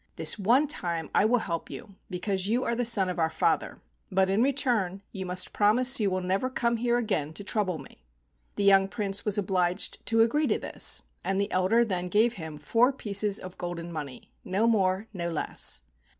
This one time I will help you because you are the son of our father, but in return you must promise you will never come here again to trouble me. The young Prince was obliged to agree to this, and the elder then gave him four pieces of golden money, no more, no less.